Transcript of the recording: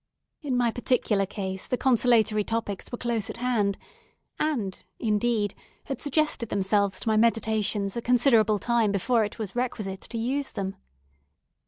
In my particular case the consolatory topics were close at hand, and, indeed, had suggested themselves to my meditations a considerable time before it was requisite to use them.